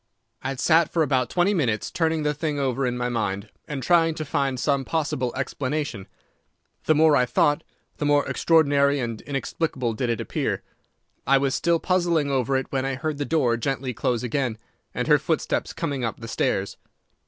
"I had sat for about twenty minutes turning the thing over in my mind and trying to find some possible explanation. The more I thought, the more extraordinary and inexplicable did it appear. I was still puzzling over it when I heard the door gently close again, and her footsteps coming up the stairs.